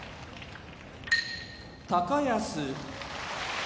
高安